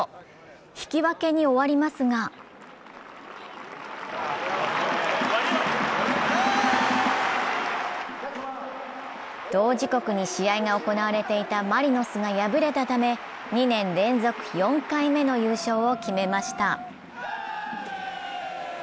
引き分けに終わりますが同時刻に試合が行われていたマリノスが敗れたため２年連続４回目の優勝を決めました。